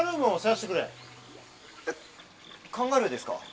えっカンガルーですか？